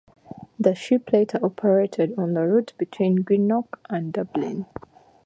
The ship later operated on the route between Greenock and Dublin.